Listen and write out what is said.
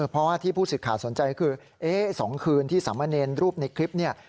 เพราะว่าที่ผู้สิทธิ์ขาดสนใจคือเอ๊ะสองคืนที่สามะเนร์รูปในคลิปเนี้ย